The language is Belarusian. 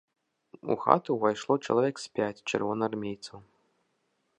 У хату ўвайшло чалавек з пяць чырвонаармейцаў.